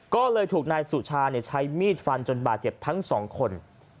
ก็เลยถูกนายสุชาใช้มีดฟันจนบาดเจ็บทั้งสองคน